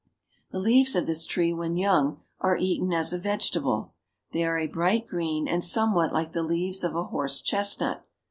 The leaves of this tree when young are eaten as a vege table. They are a bright green and somewhat hke the leaves of a horse chestnut.